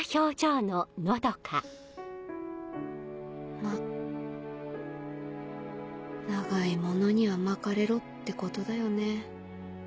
まっ長い物には巻かれろってことだよね。